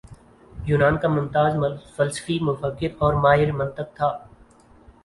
یونان کا ممتاز فلسفی مفکر اور ماہر منطق تھا